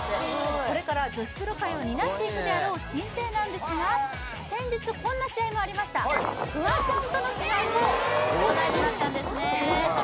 これから女子プロ界を担っていくであろう新星なんですが先日こんな試合もありましたフワちゃんとの試合も話題になったんですねへえ